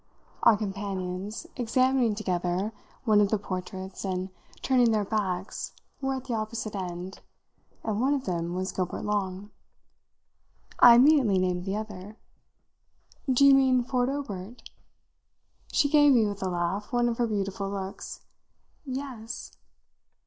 Our companions, examining together one of the portraits and turning their backs, were at the opposite end, and one of them was Gilbert Long. I immediately named the other. "Do you mean Ford Obert?" She gave me, with a laugh, one of her beautiful looks. "Yes!"